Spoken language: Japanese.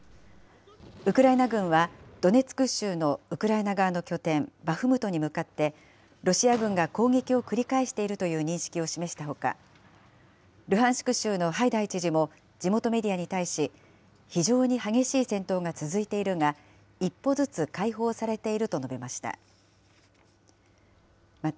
ウクライナ軍はドネツク州のウクライナ側の拠点、バフムトに向かって、ロシア軍が攻撃を繰り返しているという認識を示したほか、ルハンシク州のハイダイ知事も地元メディアに対し、非常に激しい戦闘が続いているが、一歩ずつ解放されていると述べました。